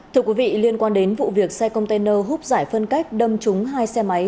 thưa quý vị liên quan đến vụ việc xe container húp giải phân cách đâm trúng hai xe máy